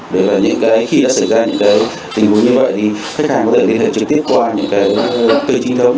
để là những cái khi đã xảy ra những cái tình huống như vậy thì khách hàng có thể liên lạc trực tiếp qua những cái kênh trinh thống